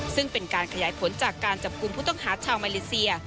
ซึ่งเป็นการขยายผลจากการจับกลุ่มผู้ต้องหาชาวมาเลเซีย